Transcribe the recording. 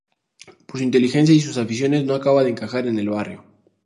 Por su inteligencia y sus aficiones, no acaba de encajar en el barrio.